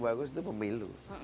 bagus itu pemilu